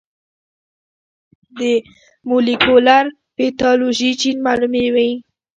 د مولېکولر پیتالوژي جین معلوموي.